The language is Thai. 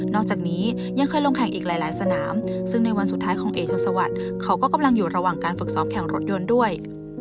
อกจากนี้ยังเคยลงแข่งอีกหลายสนามซึ่งในวันสุดท้ายของเอกชนสวัสดิ์เขาก็กำลังอยู่ระหว่างการฝึกซ้อมแข่งรถยนต์ด้วย